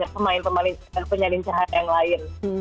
pemain penyelincahan yang lain